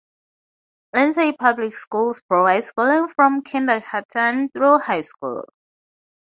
Lindsay Public Schools provide schooling from kindergarten through high school.